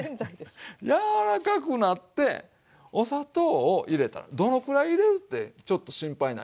柔らかくなってお砂糖を入れたらどのくらい入れるってちょっと心配になります？